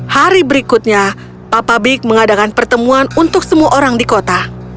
hari berikutnya papa big mengadakan pertemuan untuk semua orang di kota